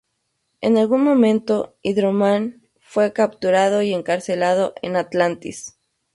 En algún momento, Hydro-Man fue capturado y encarcelado en Atlantis.